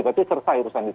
berarti sertai urusan itu